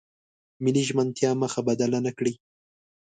ملي ژمنتیا مخه بدله نکړي.